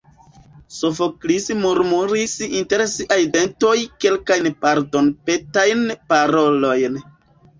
Sofoklis murmuris inter siaj dentoj kelkajn pardonpetajn parolojn.